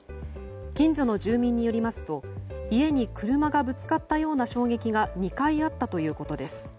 近所の住民によりますと家に車がぶつかったような衝撃が２回あったということです。